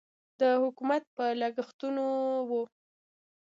د حکومت په لګښتونو و.